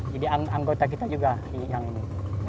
jadi anggota kita juga yang ini